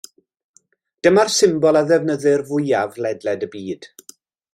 Dyma'r symbol a ddefnyddir fwyaf ledled y byd.